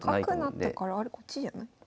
角成ったからあれこっちじゃない？